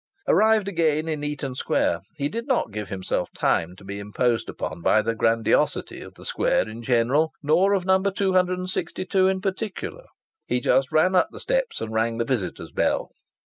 Arrived again in Eaton Square, he did not give himself time to be imposed upon by the grandiosity of the square in general, nor of No. 262 in particular. He just ran up the steps and rang the visitors' bell.